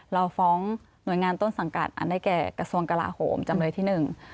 เราฟ้อมหน่วยงานต้นสังการอันนั้นได้แก่กระทรวมกระลาโหมจำนวนที่๑